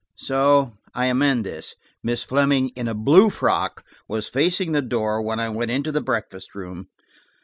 So I amend this. Miss Fleming in a blue frock was facing the door when I went into the breakfast room.